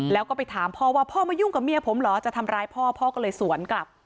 แล้วก็ไปถามพ่อว่าพ่อมายุ่งกับเมียผมเหรอจะทำร้ายพ่อพ่อก็เลยสวนกลับ